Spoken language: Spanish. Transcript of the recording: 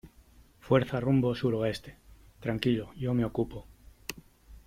fuerza rumbo suroeste . tranquilo , yo me ocupo ,